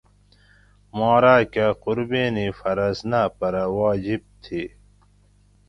ما راکہ قُربینی فرض نہ پرہ واجِب تھی